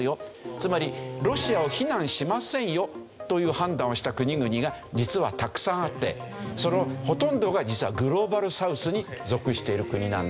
つまり「ロシアを非難しませんよ」という判断をした国々が実はたくさんあってそのほとんどが実はグローバルサウスに属している国なんだ。